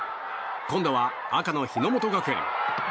今度は赤の日ノ本学園。